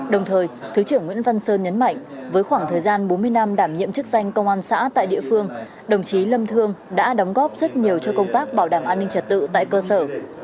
đồng thời thứ trưởng nguyễn văn sơn nhấn mạnh với khoảng thời gian bốn mươi năm đảm nhiệm chức danh công an xã tại địa phương đồng chí lâm thương đã đóng góp rất nhiều cho công tác bảo đảm an ninh trật tự tại cơ sở